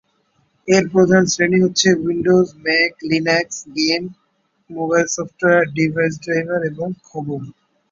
এর প্রধান শ্রেণী হচ্ছে Windows, Mac, Linux, game, mobile software, device driver এবং খবর।